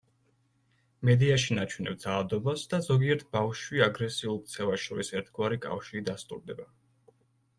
მედიაში ნაჩვენებ ძალადობას და ზოგიერთ ბავშვში აგრესიულ ქცევას შორის ერთგვარი კავშირი დასტურდება.